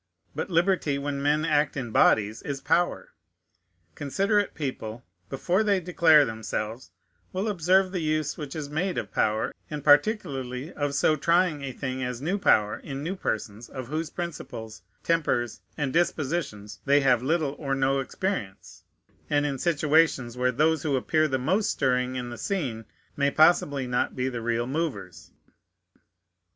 But liberty, when men act in bodies, is power. Considerate people, before they declare themselves, will observe the use which is made of power, and particularly of so trying a thing as new power in new persons, of whose principles, tempers, and dispositions they have little or no experience, and in situations where those who appear the most stirring in the scene may possibly not be the real movers.